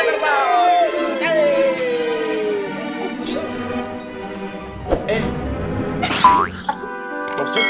ada banyak terbang